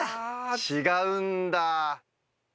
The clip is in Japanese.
違うんだ！